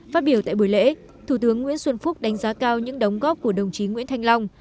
phát biểu tại buổi lễ thủ tướng nguyễn xuân phúc đánh giá cao những đóng góp của đồng chí nguyễn thanh long